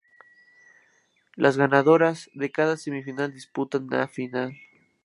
Las ganadoras de cada semifinal disputan la final.